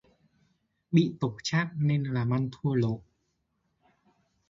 Bị tổ trác nên làm ăn thua lổ